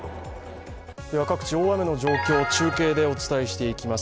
各地、大雨の状況、中継でお伝えしていきます。